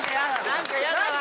何か嫌だ！